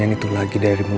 aku ingin berbohong